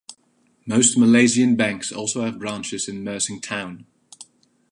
Most Malaysian banks also have branches in Mersing town.